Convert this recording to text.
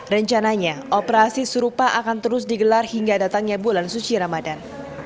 rencananya operasi serupa akan terus digelar hingga datangnya bulan suci ramadan